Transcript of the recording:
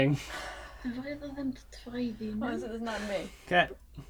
Tebɣiḍ ad am-ḍḍfeɣ aydi-nnem?